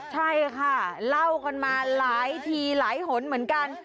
ใช่ค่ะเล่ากันมาหลายทีหลายหนเหมือนกัน